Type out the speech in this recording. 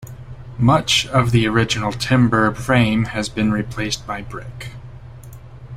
Much of the original timber frame has been replaced by brick.